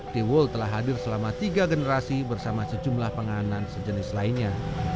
tiwul telah hadir selama tiga generasi bersama sejumlah penganan sejenis lainnya